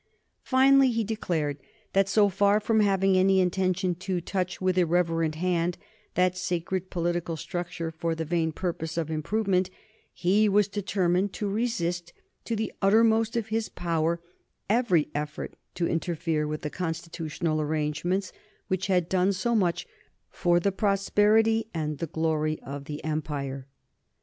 Finally, he declared that, so far from having any intention to touch with irreverent hand that sacred political structure for the vain purpose of improvement, he was determined to resist to the uttermost of his power every effort to interfere with the constitutional arrangements which had done so much for the prosperity and the glory of the empire.